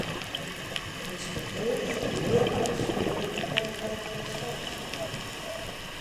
De ynspekteur soe mear nei de sfear en kwaliteit fan de soarch sjen moatte.